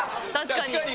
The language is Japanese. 確かに！